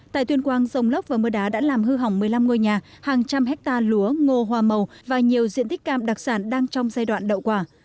tại tuyên quang rông lốc và mưa đá đã làm hư hỏng một mươi năm ngôi nhà hàng trăm hectare lúa ngô hoa màu và nhiều diện tích cam đặc sản đang trong giai đoạn đậu quả